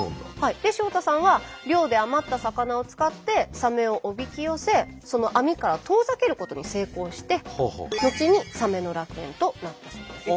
で塩田さんは漁で余った魚を使ってサメをおびき寄せ網から遠ざけることに成功して後にサメの楽園となったそうです。